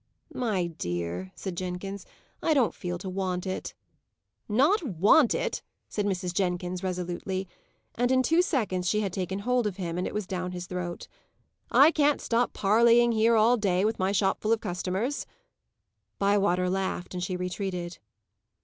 "My dear," said Jenkins, "I don't feel to want it." "Not want it!" said Mrs. Jenkins resolutely. And in two seconds she had taken hold of him, and it was down his throat. "I can't stop parleying here all day, with my shop full of customers." Bywater laughed, and she retreated.